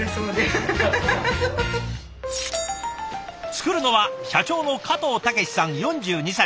作るのは社長の加藤岳史さん４２歳。